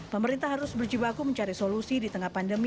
pemerintah harus berjibaku mencari solusi di tengah pandemi